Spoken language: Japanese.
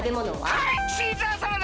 はい！